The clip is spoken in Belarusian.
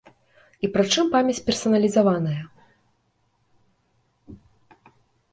І прычым памяць персаналізаваная.